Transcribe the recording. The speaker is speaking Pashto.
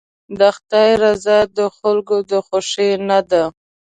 د خدای رضا د خلکو د خوښۍ نه ده.